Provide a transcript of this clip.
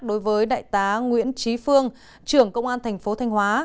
đối với đại tá nguyễn trí phương trưởng công an tp thanh hóa